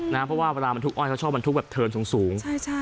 นะฮะเพราะว่าเวลามันทุกข์อ้อยเขาชอบมันทุกข์แบบเทิร์นสูงสูงใช่ใช่